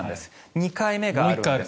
２回目があるんです。